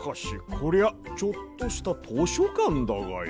こりゃあちょっとしたとしょかんだがや。